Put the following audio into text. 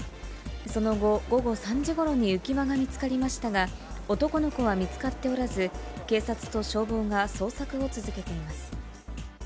その後、午後３時ごろに浮き輪が見つかりましたが、男の子は見つかっておらず、警察と消防が捜索を続けています。